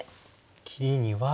切りには。